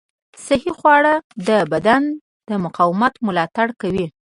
صحي خواړه د بدن د مقاومت ملاتړ کوي.